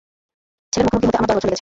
ছেলের মুখোমুখি হতে আমার দশ বছর লেগেছে।